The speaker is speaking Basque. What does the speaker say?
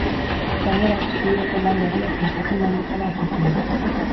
Gainera, estudioko lan berria prestatzen dabiltzala argitu du.